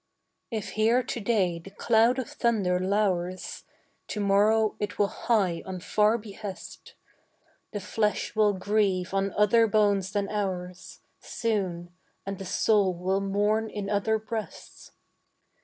If here to day the cloud of thunder lours To morrow it will hie on far behests; The flesh will grieve on other bones than ours Soon, and the soul will mourn in other breasts.